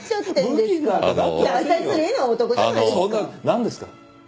何ですか？